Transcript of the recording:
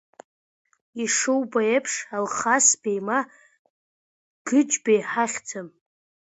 Ишубо еиԥш, Алхасбеи ма Гыџбеи ҳахьӡӡам.